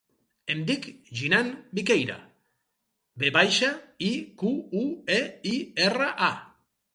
Em dic Jinan Viqueira: ve baixa, i, cu, u, e, i, erra, a.